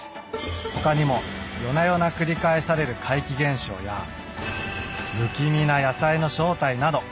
他にも夜な夜な繰り返される怪奇現象や不気味な野菜の正体など。